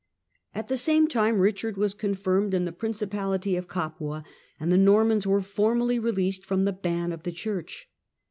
At the same time Richard was con firmed in the principality of Capua, and the Normans were formally released from the ban of the Church.